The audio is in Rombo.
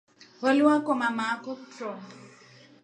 Haliwakoma maako kuto.